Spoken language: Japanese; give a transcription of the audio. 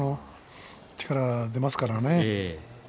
力が出ますからね。